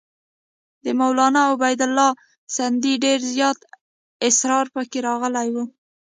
د مولنا عبیدالله سندي ډېر زیات اسرار پکې راغلي وو.